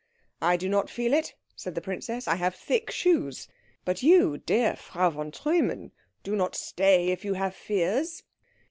"I do not feel it," said the princess, "I have thick shoes. But you, dear Frau von Treumann, do not stay if you have fears."